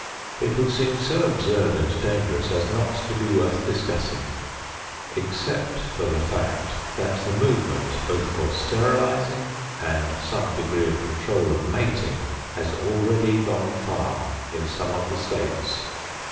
It would seem so absurd and dangerous as not to be worth discussing except for the fact that the movement, both for sterilizing and some degree of control of mating has already gone far in some of the states.